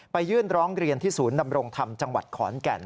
ยื่นร้องเรียนที่ศูนย์ดำรงธรรมจังหวัดขอนแก่น